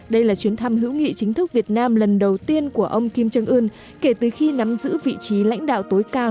đây là chuyến thăm hữu nghị chính thức việt nam lần đầu tiên của ông kim trương ưn kể từ khi nắm giữ vị trí lãnh đạo tối cao